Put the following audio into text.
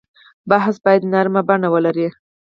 بحث باید نرمه بڼه ولري.